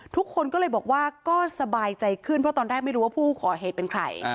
ทุกคนก็เลยบอกว่าก็สบายใจขึ้นเพราะตอนแรกไม่รู้ว่าผู้ก่อเหตุเป็นใคร